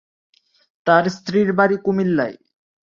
তার স্ত্রীর বাড়ি কুমিল্লায়।